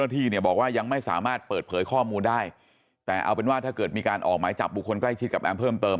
ที่เนี่ยบอกว่ายังไม่สามารถเปิดเผยข้อมูลได้แต่เอาเป็นว่าถ้าเกิดมีการออกหมายจับบุคคลใกล้ชิดกับแอมเพิ่มเติม